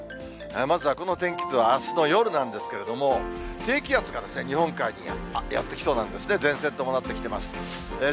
まずはこの天気図はあすの夜なんですけれども、低気圧が日本海にやって来そうなんですね。